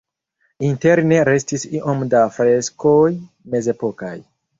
Interne restis iom da freskoj mezepokaj.